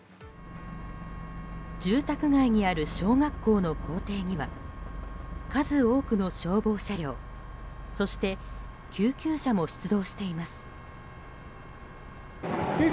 住宅街にある小学校の校庭には数多くの消防車両そして救急車も出動しています。